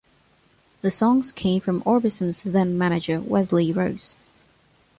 The songs came from Orbison's then manager Wesley Rose.